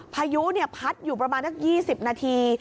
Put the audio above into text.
พายุพัดอยู่ประมาณสัก๒๐นาที